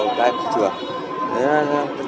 của các em thị trường